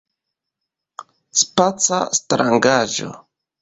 Spaca Strangaĵo!